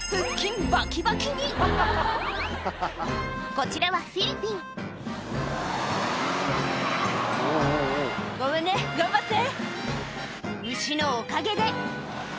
こちらはフィリピン「ごめんね頑張って！」